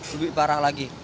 lebih parah lagi